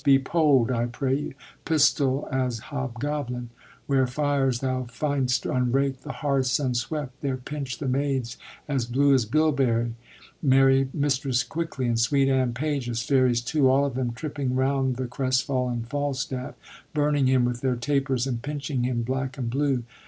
be pold, I pray you*; Pistol as Hobgoblin: 'Where fires thou flnd'st unraked and hearths unswept, There pinch the maids as blue as bilberry'; merry Mistress Quickly and sweet Anne Page as fairies, too : all of them tripping round the crestfallen Falstaff, burning him with their tapers and pinching him black and blue.